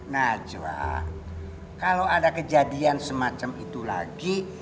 najwa kalau ada kejadian semacam itu lagi